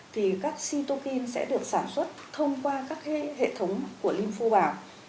thì các cytokine sẽ được sản xuất thông qua các hệ thống của lymphobar